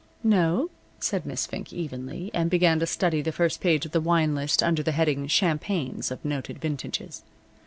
"No," said Miss Fink, evenly, and began to study the first page of the wine list under the heading "Champagnes of Noted Vintages."